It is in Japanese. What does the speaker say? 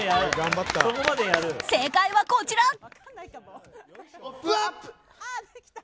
正解は、こちら。